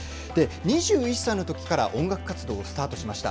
２１歳のときから音楽活動をスタートしました。